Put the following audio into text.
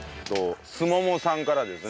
すももさんからですね。